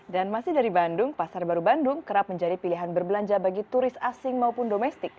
dan masih dari bandung pasar baru bandung kerap menjadi pilihan berbelanja bagi turis asing maupun domestik